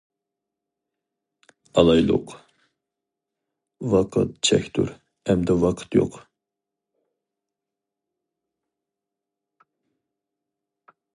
ئالايلۇق: ۋاقىت چەكتۇر، ئەمدى ۋاقىت يوق.